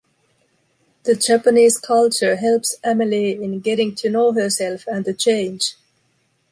The Japanese culture helps Amelie in getting to know herself and to change.